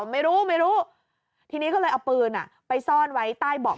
ไม่รู้ไม่รู้ทีนี้ก็เลยเอาปืนไปซ่อนไว้ใต้เบาะ